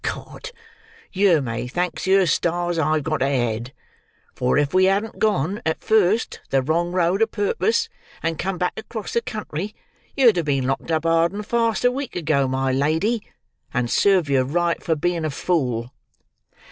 Cod, yer may thanks yer stars I've got a head; for if we hadn't gone, at first, the wrong road a purpose, and come back across country, yer'd have been locked up hard and fast a week ago, my lady. And serve yer right for being a fool."